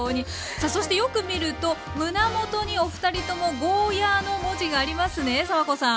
さっそしてよく見ると胸元におふたりともゴーヤーの文字がありますねさわこさん。